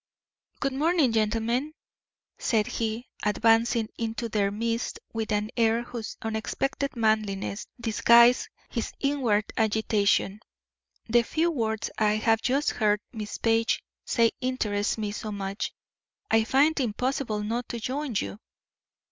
"Good morning, gentlemen," said he, advancing into their midst with an air whose unexpected manliness disguised his inward agitation. "The few words I have just heard Miss Page say interest me so much, I find it impossible not to join you."